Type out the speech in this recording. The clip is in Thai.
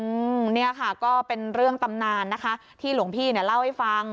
อืมเนี่ยค่ะก็เป็นเรื่องตำนานนะคะที่หลวงพี่เนี่ยเล่าให้ฟัง